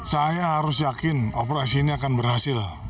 saya harus yakin operasi ini akan berhasil